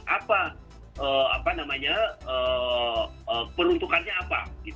apa peruntukannya apa